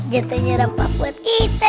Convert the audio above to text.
jatuhnya rampah buat kita